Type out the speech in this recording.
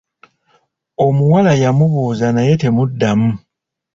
Omuwala yamubuuza naye temuddamu.